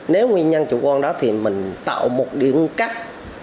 nếu nguyên nhân chủ quan đó thì mình tạo một điểm cắt